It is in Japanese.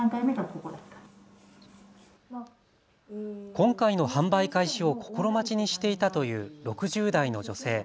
今回の販売開始を心待ちにしていたという６０代の女性。